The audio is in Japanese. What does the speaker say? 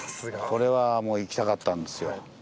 これは行きたかったんですよ。